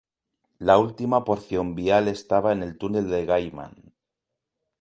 La última porción vial estaba en el túnel de Gaiman.